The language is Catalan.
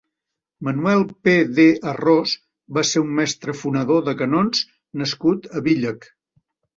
Manuel Pe-de-Arròs va ser un mestre fonedor de canons nascut a Víllec.